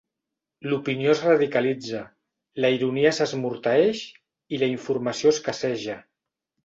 L'opinió es radicalitza, la ironia s'esmorteeix i la informació escasseja.